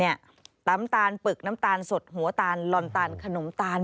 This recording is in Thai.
น้ำตาลปึกน้ำตาลสดหัวตาลลอนตาลขนมตาล